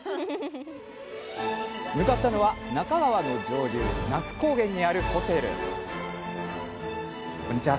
向かったのは那珂川の上流那須高原にあるホテルこんにちは。